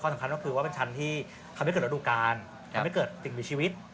สำคัญก็คือว่าเป็นชั้นที่ทำให้เกิดระดูการทำให้เกิดสิ่งมีชีวิต